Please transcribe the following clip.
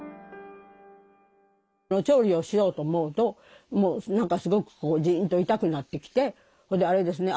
調理をしようと思うともう何かすごくジンと痛くなってきてそれであれですね